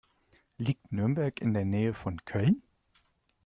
Liegt Nürnberg in der Nähe von Köln?